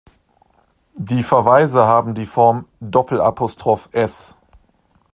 Die Verweise haben die Form: "s.